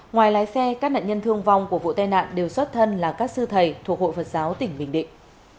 ngoài lái xe các nạn nhân thương vong của vụ tai nạn đều xuất thân là các sư thầy thuộc hội phật giáo tỉnh bình định